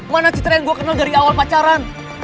mana citra yang gue kenal dari awal pacaran